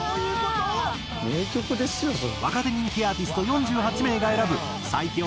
若手人気アーティスト４８名が選ぶ最強